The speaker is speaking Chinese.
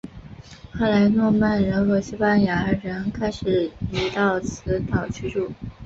后来诺曼人和西班牙人开始移到此岛居住。